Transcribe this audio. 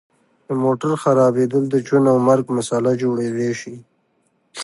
د موټر خرابیدل د ژوند او مرګ مسله جوړیدای شي